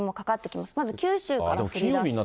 まず九州から降りだして。